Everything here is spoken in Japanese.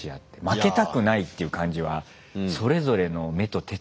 負けたくないっていう感じはそれぞれの目と手つきに出てたね。